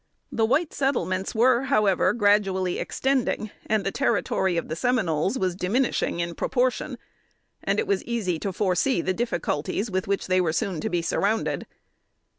The white settlements were, however, gradually extending, and the territory of the Seminoles was diminishing in proportion; and it was easy to foresee the difficulties with which they were soon to be surrounded.